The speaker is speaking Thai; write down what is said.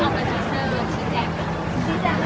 ทำไมฟ้องไม่เทียบ